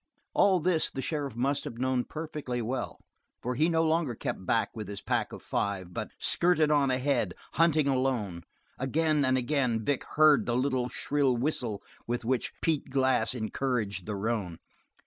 All this the sheriff must have known perfectly well, for he no longer kept back with his pack of five, but skirted on ahead, hunting alone. Again and again Vic heard the little shrill whistle with which Pete Glass encouraged the roan.